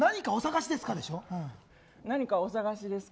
何かお探しですか？